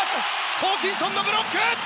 ホーキンソンのブロック！